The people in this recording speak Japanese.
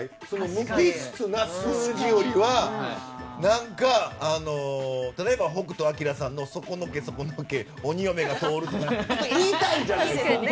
無機質な数字よりは例えば北斗晶さんの「そこのけそこのけ鬼嫁が通る」は言いたいじゃないですか。